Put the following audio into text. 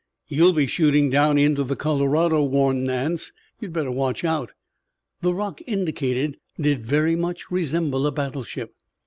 "You'll be shooting down into the Colorado," warned Nance. "You'd better watch out." The rock indicated did very much resemble a battleship.